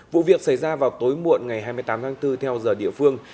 vụ việc xảy ra vào tối muộn ngày hai mươi tám tháng bốn